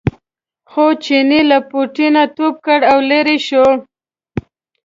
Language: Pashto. خو چیني له پوټي نه ټوپ کړ او لرې شو.